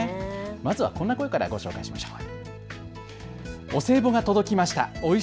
まずはこんな声からご紹介しましょう。